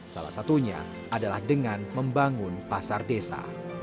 salah satunya adalah dengan membangun pasar desa